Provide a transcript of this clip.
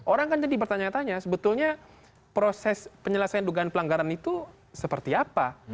orang kan jadi bertanya tanya sebetulnya proses penyelesaian dugaan pelanggaran itu seperti apa